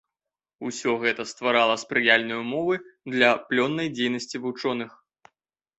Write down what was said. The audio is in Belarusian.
Усё гэта стварала спрыяльныя ўмовы для плённай дзейнасці вучоных.